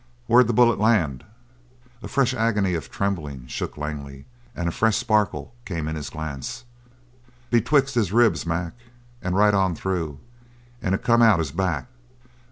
Where'd the bullet land?" A fresh agony of trembling shook Langley, and a fresh sparkle came in his glance. "Betwixt his ribs, Mac. And right on through. And it come out his back!"